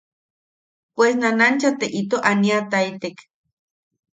Pues nanancha te ito ania- taitek.